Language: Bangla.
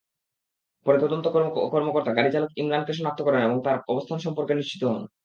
পরে তদন্ত কর্মকর্তা গাড়িচালক ইমরানকে শনাক্ত করেন এবং তাঁর অবস্থান সম্পর্কে নিশ্চিত হন।